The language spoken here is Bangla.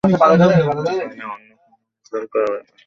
এখানে অন্য কোনো ভেজাল করবে না।